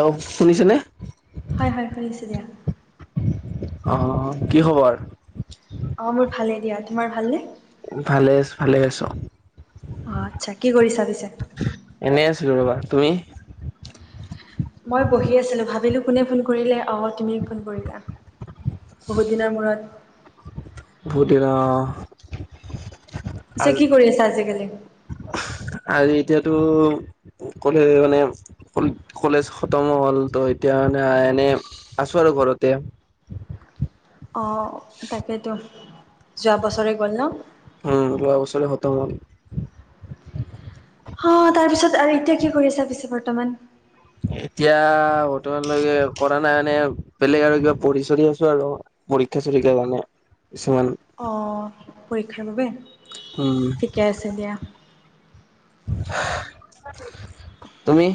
অ শুনিছেনে- হয় হয় শুনিছোঁ দিয়া - অ কি খবৰ? অ মোৰ ভালে দিয়া তোমাৰ ভালনে- ভালে আছোঁ ভালে আছোঁ - অ আচ্ছা কি কৰিছা পিছে- বা তুমি? মই বহি আছিলোঁ ভাবিলো কোনে ফোন কৰিলে অ তুমি ফোন কৰিলা। বহুত দিনৰ মূৰত- বহুত দিনৰ অ অ- পিছে কি কৰি আছা আজিকালি- আজি এতিয়াতো কলে মানে কলেজ খতম হ'ল ত' এতিয়া মানে- এনে আছোঁ আৰু ঘৰতে- আহ তাকেতো যোৱা বছৰে গ'ল ন- উম, যোৱা বছৰে খতম হ'ল। অ তাৰ পিছত আৰু এতিয়া কি কৰি আছা পিছে বৰ্তমান- এতিয়া বৰ্তমানলৈকে কৰা নাই মানে বেলেগ আৰু কিবা পঢ়ি চঢ়ি আছো আৰু- পৰীক্ষা চৰীক্ষা কাৰণে - অ পৰীক্ষাৰ বাবে উম, ঠিকে আছে দিয়া- তুমি?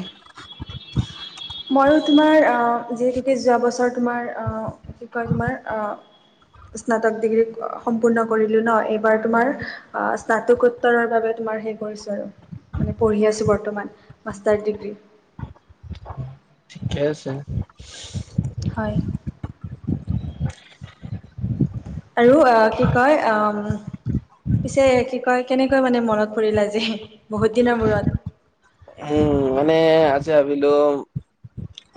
ময়ো তোমাৰ যিহেতুকে যোৱা বছৰ তোমাৰ কি কয় তোমাৰ- স্নাতক ডিগ্ৰী সম্পূৰ্ণ কৰিলোঁ ন এইবাৰ তোমাৰ অ স্নাতকোত্তৰৰ বাবে- আৰু মানে পঢ়ি আছো বৰ্তমান মাষ্টাৰ ডিগ্ৰী- ঠিকে আছে - হয় [unintelligible] আৰু অ কি কয় অ পিছে কি কয়- কেনেকৈ মানে মনত পৰিল যে বহুত দিনৰ মূৰত- উম মানে আজি ভাবিলোঁ -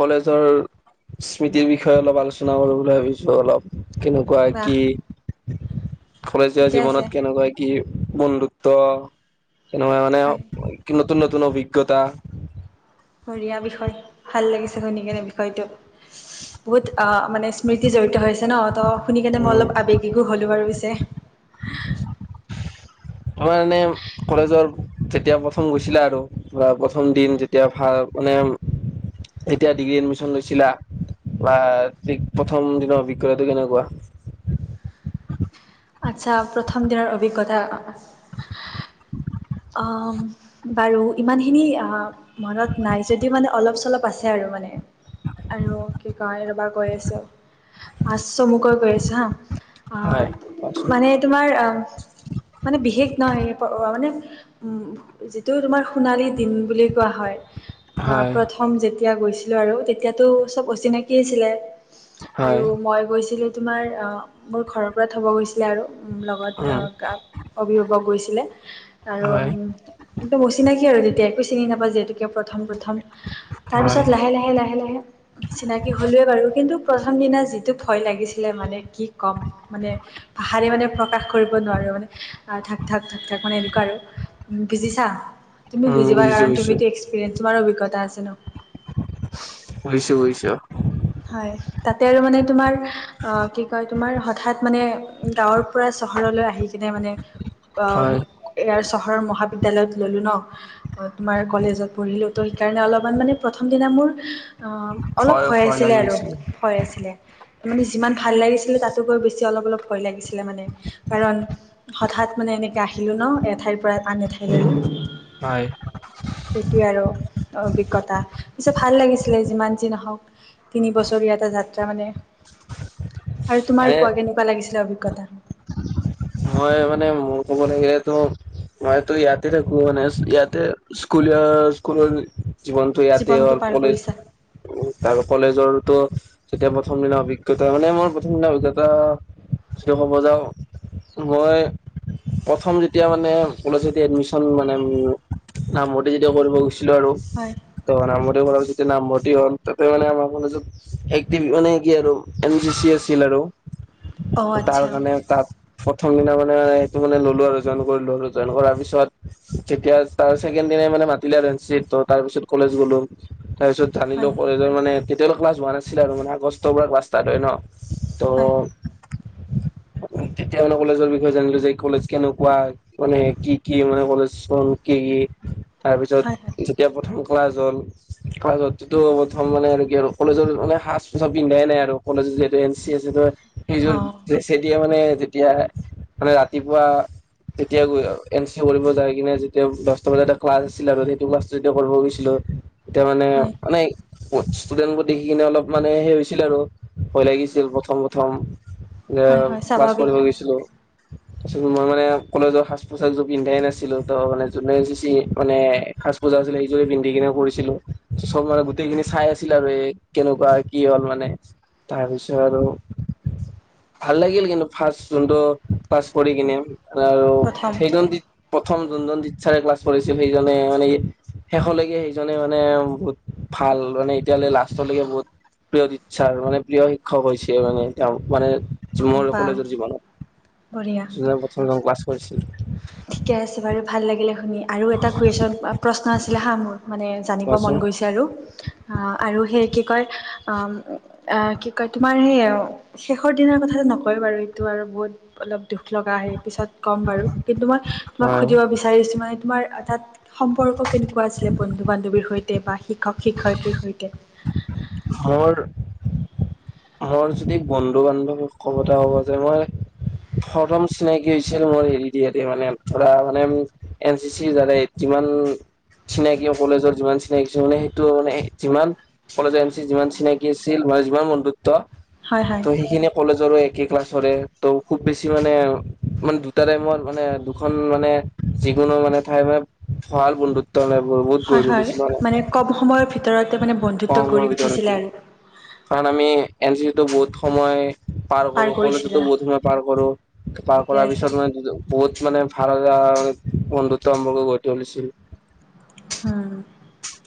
কলেজৰ স্মৃতিৰ বিষয়ে অলপ আলোচনা কৰো বুলি ভাবিছোঁ অলপ- কেনেকুৱা বাহ কি কলেজীয়া ঠিকে আছে জীৱনত কেনেকুৱা কি- বন্ধুত্ব তেনেকুৱা মানে হয় কি- নতুন নতুন অভিজ্ঞতা বঢ়িয়া বিষয় ভাল লাগিছে শুনি কেনে বিষয়টো বহুত অ মানে স্মৃতি জড়িত হৈছে ন ত শুনি কেনে মই উম অলপ আবেগিকো হলো বাৰু পিছে [unintelligible] তোমাৰ মনে কলেজৰ যেতিয়া প্ৰথম গৈছিলা আৰু বা প্ৰথম দিন যেতিয়া ভাল মানে এতিয়া ডিগ্ৰী এডমিশন লৈছিলা বা ঠিক প্ৰথম দিনৰ অভিজ্ঞতাটো কেনেকুৱা আচ্ছা প্ৰথম দিনৰ অভিজ্ঞতা [unintelligible] অ বাৰু ইমানখিনি অ মনত নাই যদিও মানে অলপ চলপ আছে আৰু মানে আৰু কি কয় ৰবা কৈ আছছ কৈ আছো হা হয় আহ কোৱাচোন মানে তোমাৰ আহ মানে বিশেষ নহয় মানে উম যিটো তোমাৰ সোণালী দিন বুলি কোৱা হয় হয় প্ৰথম তেতিয়া গৈছিলো আৰু তেতিয়াতো চব অচিনাকি আছিলে হয় আৰু মই গৈছিলো তোমাৰ মোৰ ঘৰৰ পৰা থ'ব গৈছিলে আৰু উম লগত গ অভিভাৱক গৈছিল হয় আৰু অচিনাকি তেতিয়া আকো চিনি নাপাওঁ যি হেতু কে প্ৰথম প্ৰথম হয় তাৰপিছত লেহে লেহে লেহে লাহে চিনাকি হ'লোৱে বাৰু কিন্তু প্ৰথম দিনা যিটো ভয় লাগিছিলে মানে কি ক'ম মানে ভাষাৰে মানে প্ৰকাশ কৰিব নোৱাৰো। মানে থাক থাক থাক থাক মানে আৰু বুজিছা তুমি উম বুজিবা বুজিছো কাৰণ বুজিছো তুমিতো এক্সপিৰিয়েঞ্চ তোমাৰ অভিজ্তা আছে ন বুজিছো বুজিছো হয় তাতে আৰু মানে তোমাৰ অ কি কয় তোমাৰ হঠাৎ মানে গাঁৱৰ পৰা চহৰলৈ আহি কিনে মানে অ হয় ইয়াৰ চহৰৰ মহাবিদ্যালয়ত ললো ন তোমাৰ কলেজত পঢ়িলো ত সেইকাৰণে অলপমান মানে প্ৰথম দিনা মোৰ অ অলপ ভয় আছিলে আৰু ভয় আছিলে মানে যিমান ভাল লাগিছিল তাতো গৈ বেছি অলপ অলপ ভয় লাগিছিলে মানে কাৰণ হঠাৎ মানে এনেকে আহিলো ন এ ঠাইৰ পৰা আন এ ঠাইলৈ হয় অভিজ্ঞতা পিছে ভাল লাগিছিলে যিমান যি নহওক তিনি বছৰীয়া এটা যাত্ৰা মানে আৰু তোমাৰ এনে কোৱা কেনেকুৱা লাগিছিলে অভিজ্ঞতা তাৰ মই মানে মোৰ ক'ব লাগিলেতো মই তো ইয়াতে থাকো মানে ইয়াতে স্কুলিয়া স্কুলৰ জীৱনটো ইয়াতে জীৱনটো হ'ল পাৰ কলেজ কৰিছা কলেজৰতো তেতিয়া প্ৰথম দিনা অভিজ্ঞতা মানে মোৰ প্ৰথম দিনা অভিজ্ঞতা যিটো কব যাওঁ মই প্ৰথম যেতিয়া মান কলেজ এডমিছন মানে নামভৰ্তি যেতিয়া কৰিব গৈছি ছিলো আৰু হয় ত নামভৰ্তি ফলত নামভৰ্তি হল তাতে মানে আমাৰ কলেজত একটিম মানে কি আৰু এম জি চি আছিল আৰু অ' তাৰ আচ্ছা কাৰণে তাত প্ৰথম দিনা মানে সেইটো মানে ললো আৰু জইন কৰিলো আৰু জইন কৰাৰ পিছত কেতিয়া তাৰ মানে মাতিলে এঞ্চিত তাৰ পিছত কলেজ গলো তাৰপিছত জানিলো হয় কলেজ মানে তেতিয়ালৈ ক্লাছ হোৱা নাছিলে আৰু মানে আগষ্টৰ পৰা কালছ ইষ্টাৰত হয় ন হয় হয় ত তেতিয়া মানে কলেজৰ বিষয়ে জানিলো যে কলেজ কেনেকুৱা মানে কি কি মানে কলেজখন কি কি তাৰ পিছত হয় হয় যেতিয়া প্ৰথম ক্লাছ হল ক্লাছ প্ৰথম মানে আৰু কি আৰু কলেজৰ মানে সাজ পোচাক পিন্ধাই নাই আৰু কলেজ যিহেতু এন চি আছে ত সেই যোৰ অ' দেছেদিয়ে মানে এতিয়া মানে ৰাতিপুৱা তেতিয়া এন চি এ কৰিব যাই কিনে যেতিয়া দহটা বজাত এটা ক্লাছ আছিল আৰু সেইটো ক্লাছটো এতিয়া কৰিব গৈছিলো [unintelligible] এতিয়া মানে হয় মানে ষ্টুডেন্টবোৰ দেখি কিনে অলপ মানে সেই হৈছিল আৰু ভয় লাগিছিল প্ৰথম প্ৰথম এ হয় হয় ক্লাছ স্বাভাৱিক কৰিব গৈছিলো [unintelligible] মই মানে কলেজৰ সাজ পোচাক যোৰ পিন্ধাই নাছিলো ত মানে যোনে জিচি মানে সাজ পোচাক যোৰ [unintelligible] মিলিজুলি পিন্ধি কিনে কৰিছিলো চব মানে গোটেইখিনি চাই আছিল আৰু এ কেনেকুৱা কি হল মানে [unintelligible] তাৰ পিছত আৰু ভাল লাগিল কিন্তু ফাৰ্ষ যোনটো ক্লাছ পঢ়ি কিনে আৰু প্ৰথম সেইজন প্ৰথম যোনজন টিচাৰে ক্লাছ কৰিছিল সেইজনে মানে শেষলৈকে সেইজনে মানে বহুত ভাল মানে এতিয়ালৈ লাষ্টলৈকে বহুত প্ৰিয় টিছাৰ মানে প্ৰিয় শিক্ষক হৈছে মানে তেওঁ মানে অ মোৰ বা কলেজৰ [unintelligible] জীৱনত বঢ়িয়া যোনে প্ৰথমজন ক্লাছ কৰিছিল ঠিকে আছে বাৰু ভাল লাগিলে শুনি আৰু এটা কুৱেশচন প্ৰশ্ন আছিলে হা মোৰ [unintelligible] মানে জানিব মন কোৱাচোন গৈছে আৰু অ আৰু সেই কি কয় অ কি কয় তোমাৰ সেই শেষৰ দিনৰ কথা নকয় বাৰু এইটো আৰু বহুত অলপ দুখ লগা আহে পিছত কম [unintelligible] কিন্তু মই তোমাক হয় সুধিব বিচাৰিছো মানে তোমাৰ তাত সম্পৰ্ক কেনেকুৱা আছিলে বন্ধু বান্ধৱীৰ সৈতে বা শিক্ষক শিক্ষয়িত্ৰীৰ সৈতে আমাৰ [unintelligible] মোৰ যদি বন্ধু বান্ধৱী কব এটা [unintelligible] হ'ব যে মই প্ৰথম চিনাকি হৈছিল মোৰ এল ডি এতে মানে ধৰা মানে এন চি চিৰ দ [unintelligible] বাল [unintelligible] চিনাকি কলেজৰ যিমান চিনাকি আছিল মানে সেইটো মানে যিমান কলেজ এজেঞ্চি যিমান চিনাকি আছিল [unintelligible] যিমান বন্ধুত্ব হয় হয় ত সেইখিন কলেজৰো [unintelligible] ক্লাছৰে ত খুব বেছি মানে মানে দুটা টাইমৰ মানে দুখন মানে যিকোনো মানে ঠাই মানে ভাল বন্ধু ত বহুত হয় গৰিলো হয় নিছিলালে মানে কম সময়ৰ ভিতৰতে মানে পা বন্ধুত্ব মৰ গঢ়ি ভিতৰতে উঠিছিলে আছিল [unintelligible] আৰু [unintelligible] কাৰণ আমি এন চি চিটো বহুত সময় পাৰ কৰো কলেজতো বহুত সময়ে পাৰ কৰো পাৰ ঠিকে কৰাৰ আছে পিছত মানে বহুত মানে ভাল এটা বন্ধুত্ব আৰম্ভ কৰি গতি তুলিছিল [unintelligible] হু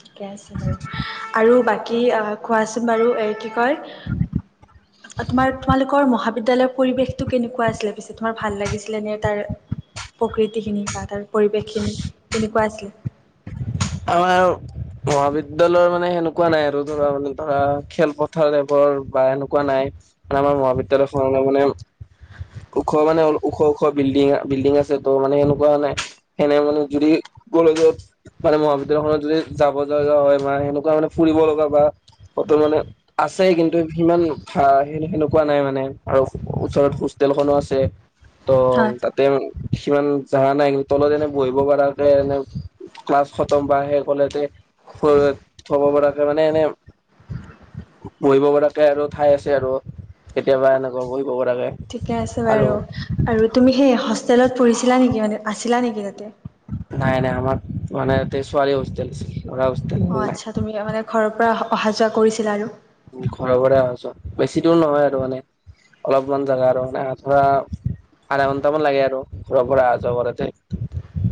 ঠিকে আছে বাৰু আৰু বাকী কোৱাচোন বাৰু এ কি কয় [unintelligible] তোমাৰ তোমালোকৰ মহাবিদ্যালয়ৰ পৰিৱেশটো কেনেকুৱা আছিলে পিছে তোমাৰ ভাল লাগিছিলে নে তাৰ প্ৰকৃতি খিনি বা তাৰ পৰিৱেশ খিনি কেনেকুৱা আছিলে আমাৰ মহাবিদ্যালয়ৰ মানে সেনেকুৱা নাই আৰু ধৰা মানে ধৰা খেলপথাৰ এব [unintelligible] বা এনেকুৱা নাই মানে আমাৰ মহাবিদ্যালয়খন মানে ওখ মানে ওখ ওখ বিল্ডিং বিল্ডিং আছে ত' মানে সেনেকুৱা হয় নাই সেনে মানে যদি [unintelligible] কলেজত মানে মহাবিদ্যালয়খনত যদি যাব লগা হয় বা সেনেকুৱা মানে ফুৰিব লগা বা [unintelligible] অত মানে আছে কিন্তু সিমান সেনেকুৱা নাই মানে আৰু ওচৰত খু হোতেলখনো আছে ত' হয় তাতে কিমান জাহা নাই কিন্তু তলত এনে বহিব পৰাকে এনে ক্লাছ খতম বা সেই কলে যে থব পৰাকে মানে এনে বহিব পৰাকে আৰু ঠাই আছে আৰু কেতিয়াবা এনেকুৱা বহিব পৰাকে ঠিকে আছে আৰু বাৰু আৰু তুমি সেই হোষ্টেলত পঢ়িছিলা নেকি মানে আছিলা নেকি তাতে নাই নাই আমাৰ মানে ছোৱালী হোষ্টেলাছিল অ আচ্ছা তুমি মানে ঘৰৰ পৰা অহা যোৱা কৰিছিলা আৰু ঘৰ ঘৰে অ বেছি দূৰ নহয় আৰু মানে অলপমানমান জাগা তামানে ধৰা আধা ঘন্টামান লাগে আৰু ঘৰৰপৰা অহা যোৱা কৰুতে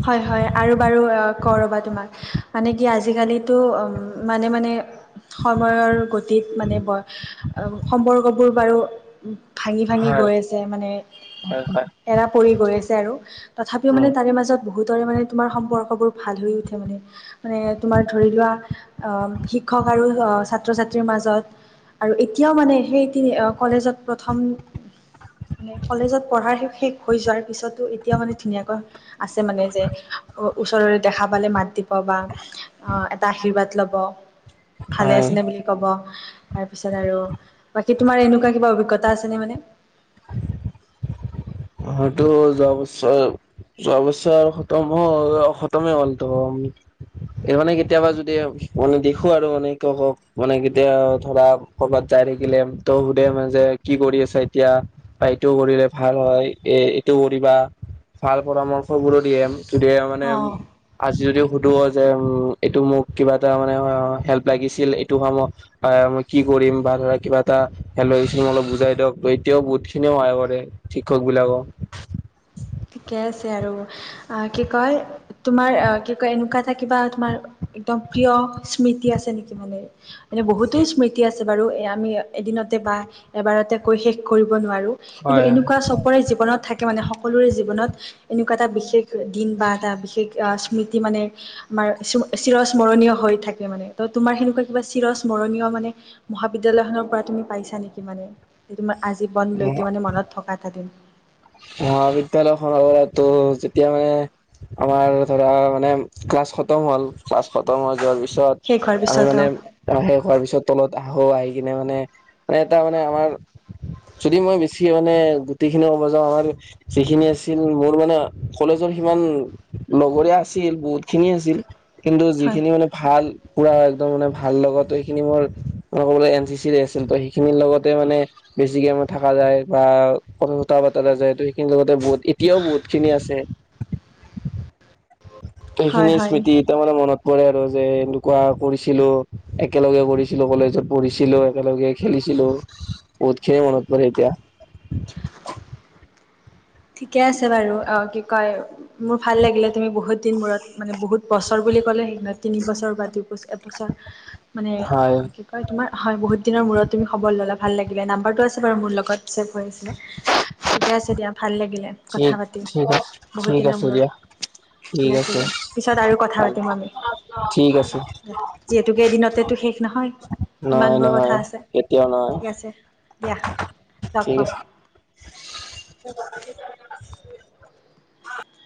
হয় হয় আৰু বাৰু কৰ ৰ'বা তোমাক মানে কি আজিকালো মানে মানে সময়ৰ গতিত মানে সম্পৰ্কবোৰ বাৰু ভাঙি ভাঙি হয় গৈ আছে মানে হয় হয় এৰা পৰি গৈ আছে আৰু তথাপিও মানে উম তাৰে মাজত বহুতৰে সম্পৰ্কবোৰ ভাল হৈ উঠে মানে মানে ধৰি লোৱা শিক্ষক আৰু ছ ছাত্ৰ ছাত্ৰীৰ মাজত আৰু এতিয়াও মানে সেই তি কলেজত প্ৰথম মানে কলেজত পঢ়াৰ শেষ হৈ যোৱাৰ পিছতো এতিয়া মানে ধুনীয়াকৈ আছে মানে যে ওচৰত দেখা পালে মাত দিব বা, আ এটা আশীৰ্বাদ লব ভালে হয় আছেনে বুলি ক'ব তাৰপিছত আৰু বাকী তোমাৰ এনেকুৱা কিবা অভিজ্ঞতা আছে নে মানে! হয় হয়টো যোৱা বছৰ যোৱা বছৰ আৰু খতম হ'ল খতমে হ'ল তো মানে কেতিয়াবা যদি মানে দেখো আৰু মানে হওক মানে কেতিয়া ধৰা কৰ'বাত যাই থাকিলে ত সুধে ম যে কি কৰি আছে এতিয়া বা এইটো কৰিলে ভাল হয় এ এইটো কৰিবা ভাল পৰামৰ্শ বোৰো দিয়ে যদি মানে অ আজি যদি সুধো যে এইটো মোক কিবা এটা মানে হেল্প লাগিছিল এইটো সম মই কি কৰিম বা ধৰা কিবা এটা অলপ বুজাই দিয়ক, এতিয়াও বহুত খিনিও সহায় কৰে শিক্ষ বলাব ঠিকে আছে আৰু, আ কি কয় তোমাৰ কি কয় এনেকুৱা এটা কিবা তোমাৰ একদম প্ৰিয় স্মৃতি আছে নেকি, মানে এনে বহুতো স্মৃতি আছে বাৰু এ আমি এদিনত বা এবাৰতে কৈ শেষ কৰিব নোৱাৰো কিন্তু হয় এনেকুৱা সবৰে জীৱনত থাকে মানে সকলোৰে জীৱনত এনেকুৱা এটা বিশেষ দিন বা এটা বিশেষ স্মৃতি মানে আমাৰ চিৰস্মৰণীয় হৈ থাকে মানে তো তোমাৰ সেনেকুৱা চিৰ মানে মহাবিদ্যালয়খনৰ পৰা তুমি পাইছা নেকি মানে তোমাৰ আজি বনলৈকে মানে মনত থকা এটা দিন মহাবিদ্যালয় খনৰ পৰাতো যেতিয়া মানে আমাৰ ধৰা মানে ক্লাছ খতম হ'ল ক্লাছ খতম হৈ যদি পিছত শেষ হোৱাৰ আমি পিছত মানে অ শেষ হোৱাৰ পিছত তলত আহো আহি কি নে মানে মানে এটা মানে আমাৰ যদি মই বেছি মানে গুট খিনি আমাৰ যিখিনি আছিল মোৰ মানে কলেজৰ সিমান লগৰীয়া আছিল বহুতখিনি আছিল, কিন্তু হয়, যিখিনি মানে ভাল পুৰা একদম মানে ভাল লগত সেইখিনি মোৰ ম ক'ব এন চি চিৰে আছিল ত সেইখিনিৰ লগতে মানে [unintelligible] বেছি গেমত থাকা যায় বা ক কটা বাতা যায় তো সেইখিনি লগতে বহুত এতিয়াও বহুত খিনি আছে [unintelligible] হয়, সেইখিনি হয়। স্মৃতি ত মানে মনত পৰে আৰু যে এনেকুৱা কৰিছিলো একেলগে কৰিছিলো কলেজত পঢ়িছিলো একেলগে খেলিছিলো বহুতখিনি মনত পৰে এতিয়া ঠিকে আছে বাৰু অ কি কয় মোৰ ভাল লাগিলে তুমি বহুত দিনবোৰত মানে বহুত বছৰ বুলি ক'লে সেই তিনি বছৰ বা দুবছৰ এবছৰ মানে হয় কি কয় তোমাৰ হয় বহুত দিনৰ মূৰত তুমি খবৰ ল'লা ভাল লাগিলে নাম্বাৰটো আছে বাৰু মোৰ লগত ছেভ হৈ আছিলে ঠিকে আছে দিয়া ভাল লাগিলে কথা ঠিক পাতিম ঠিক আছে বহুত ঠিক দিনৰ আছে দিয়া মূৰত ঠিক আছে দিয়া পিছত আৰু কথা চাল পাতিম আমি ঠিক আছে যিহেতুকে এদিনতেটো শেষ নহয় নাই ইমানবোৰ কথা নহয় আছে এতিয়াও নাহয় ঠিক আছে দিয়া লগ ঠিক পাম। আছে [unintelligible] [unintelligible] [inaudible]